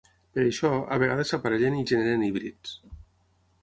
Per això, a vegades s'aparellen i generen híbrids.